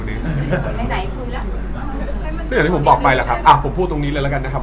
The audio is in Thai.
ผมเข้าใจอยู่แล้วครับเพราะเพื่อนผมครับผมเข้าใจได้ทุกอย่างแล้วมันสบายมากครับ